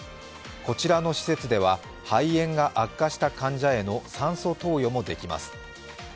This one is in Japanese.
こちらの施設では肺炎が悪化した患者への酸素投与もできます。